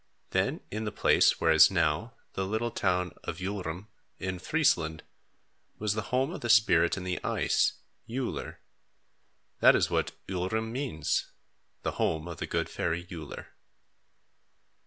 Then, in the place where is now the little town of Ulrum in Friesland was the home of the spirit in the ice, Uller. That is what Ulrum means, the home of the good fairy Uller.